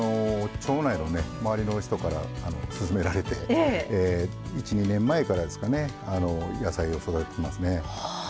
町内のね周りの人から勧められて１２年前からですかね野菜を育ててますね。